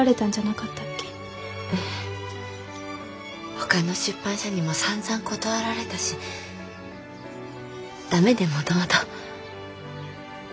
ほかの出版社にもさんざん断られたし駄目でもともと。